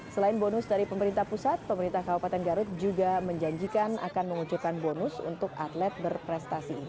selain bonus dari pemerintah pusat pemerintah kabupaten garut juga menjanjikan akan mengucurkan bonus untuk atlet berprestasi ini